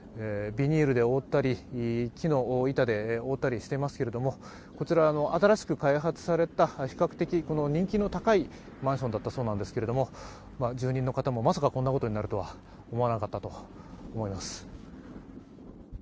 ビニールで覆ったり木の板で覆ったりしていますけれどもこちら新しく開発された比較的人気の高いマンションだったそうなんですけれども住人の方も、まさかこんなことになるとは思わなかったと思います。